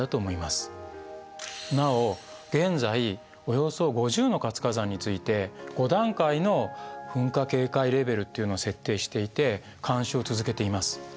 なお現在およそ５０の活火山について５段階の噴火警戒レベルっていうのを設定していて監視を続けています。